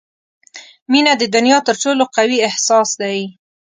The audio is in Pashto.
• مینه د دنیا تر ټولو قوي احساس دی.